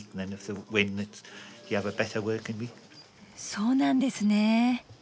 そうなんですね。